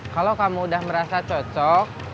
kalau kamu sudah merasa cocok